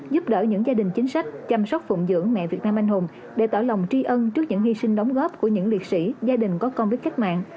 giúp đỡ những gia đình chính sách chăm sóc phụng dưỡng mẹ việt nam anh hùng để tỏ lòng tri ân trước những hy sinh đóng góp của những liệt sĩ gia đình có công với cách mạng